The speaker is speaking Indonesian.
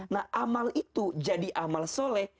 nah amal itu jadi amal soleh